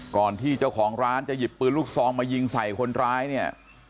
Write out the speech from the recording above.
ก่อนที่เจ้าของร้านจะหยิบปืนลูกซองมายิงใส่คนร้ายเนี่ย